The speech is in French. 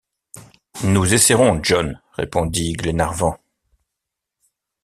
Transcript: Nous essayerons, John, répondit Glenarvan.